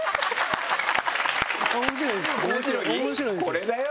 これだよ？